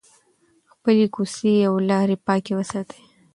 خپلې کوڅې او لارې پاکې وساتئ.